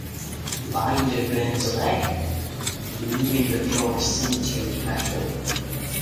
The binder burns away, leaving the pure sintered metal.